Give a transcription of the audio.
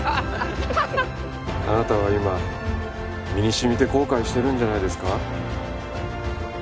あなたは今身にしみて後悔してるんじゃないですか？